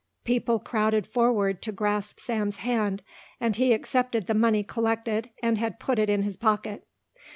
People crowded forward to grasp Sam's hand and he had accepted the money collected and had put it in his pocket.